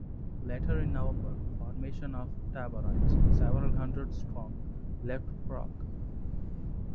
Later in November, formations of Taborites, several hundred strong, left Prague.